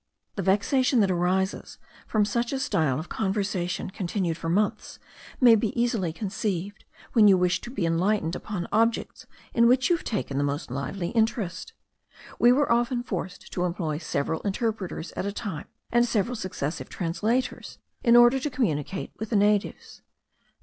The vexation that arises from such a style of conversation continued for months may easily be conceived, when you wish to be enlightened upon objects in which you take the most lively interest. We were often forced to employ several interpreters at a time, and several successive translators, in order to communicate with the natives.